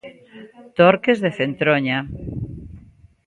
Torques de Centroña.